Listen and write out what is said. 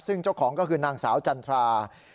ซึ่งเจ้าของก็คือนางสาวจันทรา